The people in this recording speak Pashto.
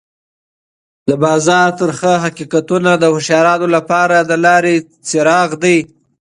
د بازار تریخ حقیقتونه د هوښیارانو لپاره د لارې مشال دی.